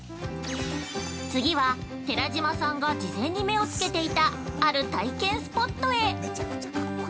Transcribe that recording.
◆次は、寺島さんが事前に目をつけていた、ある体験スポットへ。